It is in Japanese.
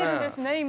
今。